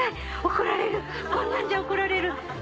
怒られるこんなんじゃ怒られる！